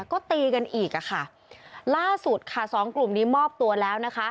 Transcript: ก็ตีกันอีกอ่ะค่ะล่าสุดค่ะสองกลุ่มนี้มอบตัวแล้วนะคะ